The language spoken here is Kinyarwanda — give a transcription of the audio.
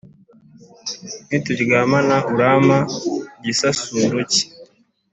Nituryamana urampa gisasuro ki